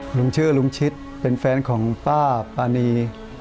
ลุงชื่อลุงชิดเป็นแฟนของป้าปานี